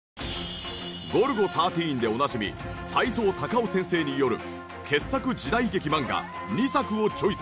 『ゴルゴ１３』でおなじみさいとう・たかを先生による傑作時代劇漫画２作をチョイス。